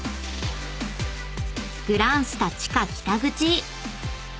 ［グランスタ地下北口］